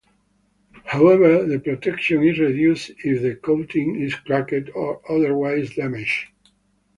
However the protection is reduced if the coating is cracked or otherwise damaged.